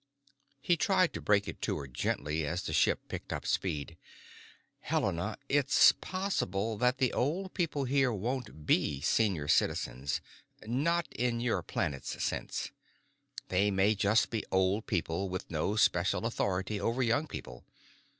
He tried to break it to her gently as the ship picked up speed. "Helena, it's possible that the old people here won't be Senior Citizens—not in your planet's sense. They may just be old people, with no special authority over young people.